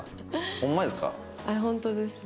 ホンマですか？